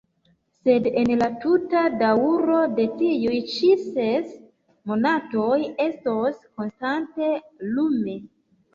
Sed en la tuta daŭro de tiuj ĉi ses monatoj estos konstante lume.